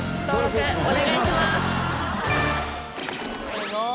すごーい。